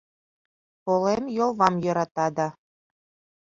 Полем йолвам йӧрата да